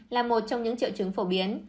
là một trong những triệu chứng phổ biến